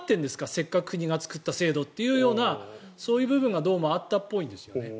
せっかく国が作った制度というそういう部分がどうもあったっぽいんですよね。